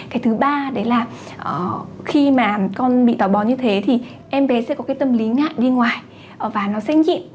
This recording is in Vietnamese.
cái thứ ba đấy là khi mà con bị táo bón như thế thì em bé sẽ có tâm lý ngại đi ngoài và nó sẽ nhịn